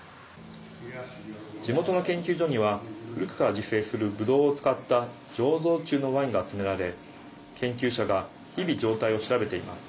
地元の研究所には古くから自生するブドウを使った醸造中のワインが集められ研究者が日々、状態を調べています。